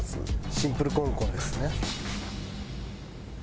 シンプルコンコンですね。